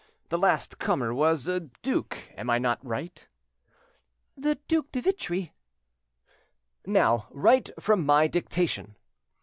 The last comer was a duke; am I not right?" "The Duc de Vitry." "Now write from my dictation."